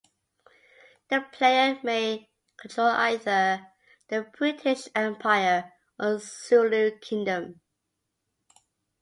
The player may control either the British Empire or Zulu Kingdom.